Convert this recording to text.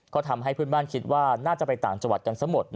ก็ทำให้เพื่อนบ้านคิดว่าน่าจะไปต่างจังหวัดกันซะหมด